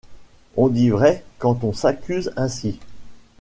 On dit vrai quand on s’accuse ainsi!